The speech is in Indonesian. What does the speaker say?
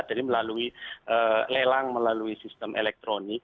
dari melalui lelang melalui sistem elektronik